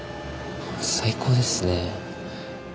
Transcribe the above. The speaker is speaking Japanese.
最高ですね。